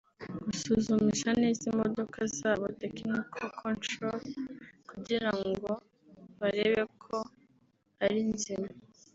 Gusuzumisha neza imodoka zabo (technical control) kugira ngo barebe ko ari nzima